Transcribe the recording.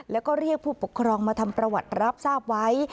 แล้วก็เรียกผู้ปกครองมาทำประวัติรับทราบไว้